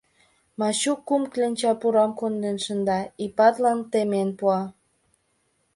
Мачук кум кленча пурам конден шында, Ипатлан темен пуа.